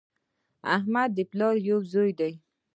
احمد د پلار یو زوی دی